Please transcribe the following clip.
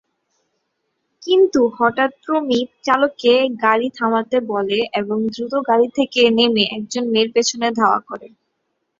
কিন্তু হঠাৎ প্রমিত চালককে গাড়ি থামাতে বলে এবং দ্রুত গাড়ি থেকে নেমে একজন মেয়ের পিছনে ধাওয়া করে।